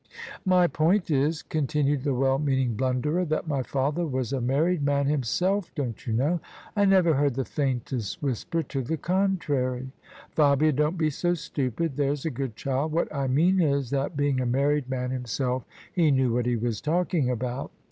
" My point is," continued the well meaning blunderer, " that my father was a married man himself, don't you know?" " I never heard the faintest whisper to the contrary." " Fabia, don't be so stupid, there's a good child ! What I mean is that, being a married man himself, he knew what he was talking about."